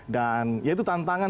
dan itu tantangan